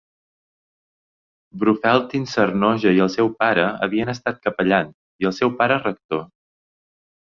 Brofeldtin saarnoja i el seu pare havien estat capellans i el seu pare rector.